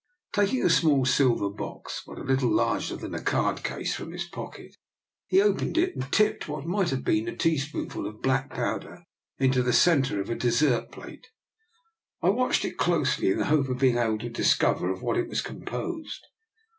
Taking a small silver box, but little larger than a card case, from his pocket, he opened it and tipped what might have been a tea spoonful of black powder into the centre of a dessert plate. I watched it closely, in the hope of being able to discover of what it was composed.